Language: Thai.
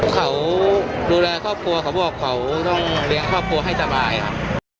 เขาดูแลครอบครัวเขาบอกเขาต้องเลี้ยงครอบครัวให้สบายครับ